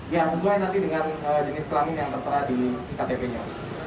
ya sesuai nanti dengan jenis kelamin yang tertera di ktp nya